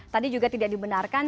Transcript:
tadi juga tidak dibenarkan